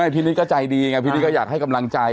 พี่นิดก็ใจดีไงพี่นิดก็อยากให้กำลังใจ